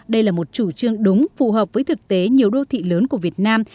đây là một chủ trương đúng phù hợp với thực tế nhiều đô thị lớn của việt nam